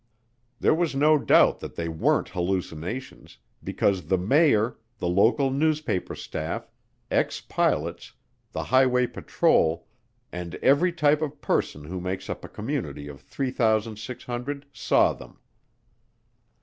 There was no doubt that they weren't hallucinations because the mayor, the local newspaper staff, ex pilots, the highway patrol, and every type of person who makes up a community of 3,600 saw them.